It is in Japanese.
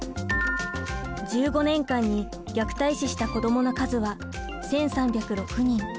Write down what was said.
１５年間に虐待死した子どもの数は１３０６人。